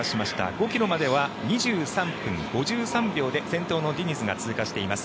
５ｋｍまでは２３分５３秒で先頭のディニズが通過しています。